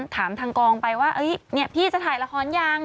ถามทางกองไปว่าพี่จะถ่ายละครยัง